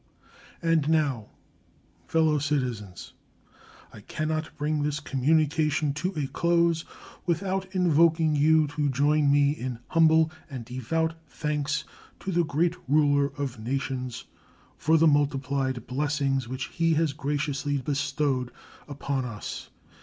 And now, fellow citizens, I can not bring this communication to a close without invoking you to join me in humble and devout thanks to the Great Ruler of Nations for the multiplied blessings which He has graciously bestowed upon us.